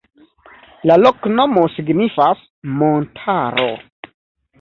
La loknomo signifas: montaro.